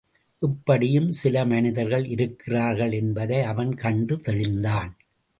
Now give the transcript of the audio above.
இப்படியும் சில மனிதர்கள் இருக்கிறார்கள் என்பதை அவன் கண்டு தெளிந்தான்.